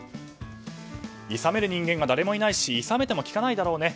いさめる人間が誰もいないしいさめても聞かないだろうね。